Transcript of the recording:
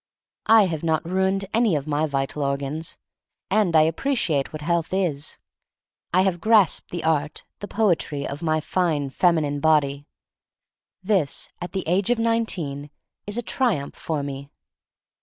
I have not ruined any of my vital organs, and I appreciate what health is. I have grasped the art, the poetry of my fine feminine body. This at the age of nineteen is a tri umph for me.